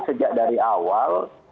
sejak dari awal